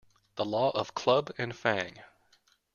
The Law of Club and Fang